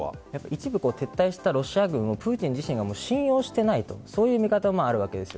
一部撤退したロシア軍をプーチン自身が信用していないという見方もあるわけです。